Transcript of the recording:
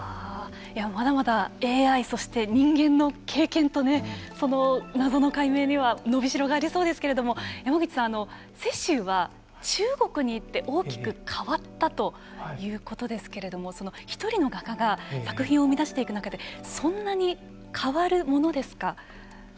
まだまだＡＩ、そして人間の経験とその謎の解明には伸びしろがありそうですけれども山口さん、雪舟は中国に行って大きく変わったということですけれども１人の画家が作品を生み出していく中でそんなに変わるものですか。